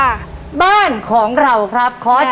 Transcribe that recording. ต่อไปอีกหนึ่งข้อเดี๋ยวเราไปฟังเฉลยพร้อมกันนะครับคุณผู้ชม